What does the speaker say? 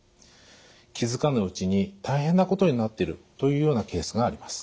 気付かぬうちに大変なことになってるというようなケースがあります。